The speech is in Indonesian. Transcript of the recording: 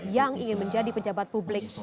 yang ingin menjadi pejabat publik